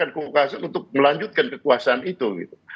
kekuasaan untuk melanjutkan kekuasaan itu gitu